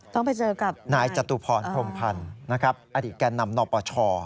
ต้องไปเจอกับนายจตุพรพรมพันธ์นะครับอดีตแก่นำนปช